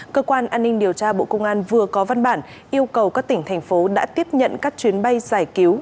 cơ quan an ninh điều tra bộ công an vừa có văn bản yêu cầu các tỉnh thành phố đã tiếp nhận các chuyến bay giải cứu